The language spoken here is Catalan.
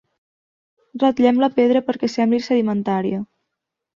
Ratllem la pedra perquè sembli sedimentària.